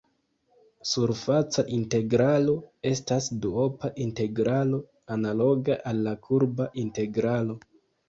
Surfaca integralo estas duopa integralo analoga al la kurba integralo.